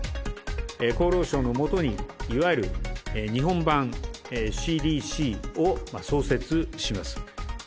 厚労省のもとに、いわゆる日本版ＣＤＣを創設します。